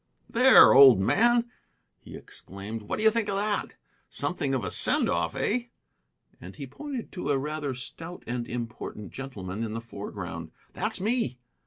"There, old man!" he exclaimed. "What do you think of that? Something of a sendoff, eh?" And he pointed to a rather stout and important gentleman in the foreground. "That's me!"